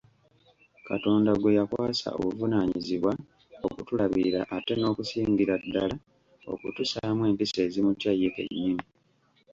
Katonda gwe yakwasa obuvunaanyizibwa okutulabirira ate n'okusingira ddala okutussaamu empisa ezimutya ye kennyini.